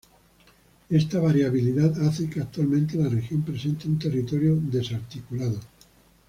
Esta variabilidad hace que actualmente la región presente un territorio desarticulado.